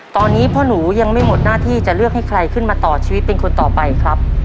ตอนนี้พ่อหนูยังไม่หมดหน้าที่จะเลือกให้ใครขึ้นมาต่อชีวิตเป็นคนต่อไปครับ